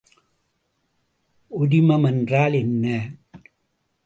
ஒரிமம் என்றால் என்ன?